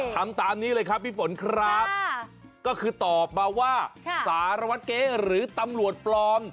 ทำตามนี้เลยครับพี่ฝนครับก็คือตอบมาว่าสารวัตรเก๊หรือตำรวจปลอม